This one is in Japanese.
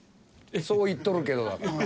「そう言っとるけど」だから。